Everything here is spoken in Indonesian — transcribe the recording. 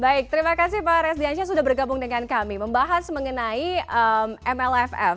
baik terima kasih pak resdiansyah sudah bergabung dengan kami membahas mengenai mlff